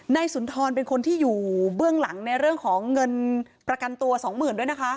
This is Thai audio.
สุนทรเป็นคนที่อยู่เบื้องหลังในเรื่องของเงินประกันตัวสองหมื่นด้วยนะคะ